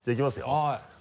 はい。